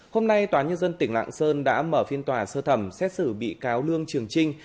hôm nay tòa nhân dân tỉnh lạng sơn đã mở phiên tòa sơ thẩm xét xử bị cáo lương trường trinh